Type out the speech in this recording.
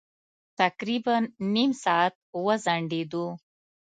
تقريباً نيم ساعت وځنډېدو.